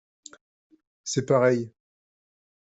C’est pareil.